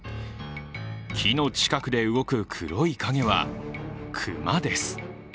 木の近くで動く黒い影は、熊です。